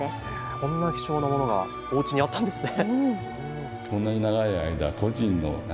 そんな貴重なものがおうちにあったんですね。